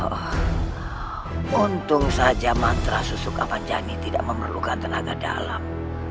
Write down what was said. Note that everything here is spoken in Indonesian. oh untung saja mantra susuk apanjani tidak memerlukan tenaga dalam